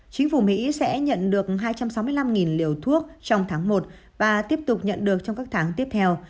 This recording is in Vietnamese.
chính phủ mỹ sẽ nhận được hai trăm sáu mươi năm liều thuốc trong tháng một và tiếp tục nhận được trong các tháng tiếp theo